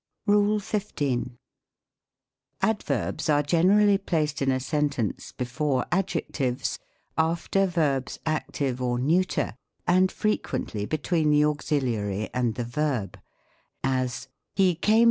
RULE XV. Adverbs are generally placed in a sentence before adjectives, after verbs active or neuter, and frequently between the auxiliary and the verb : as, " He came.